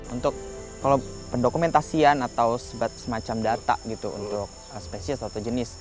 untuk kalau pendokumentasian atau semacam data gitu untuk spesies atau jenis